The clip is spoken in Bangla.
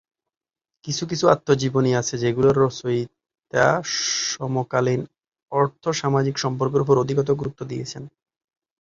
কিছু কিছু আত্মজীবনী আছে যেগুলির রচয়িতা সমকালীন আর্থ-সামাজিক সম্পর্কের ওপর অধিকতর গুরুত্ব দিয়েছেন।